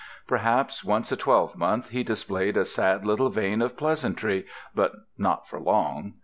Perhaps once a twelve month he displays a sad little vein of pleasantry, but not for long.